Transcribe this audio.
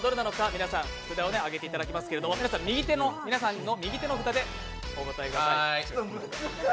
皆さん、札を挙げていただきますけど皆さんの右手の札でお答えください。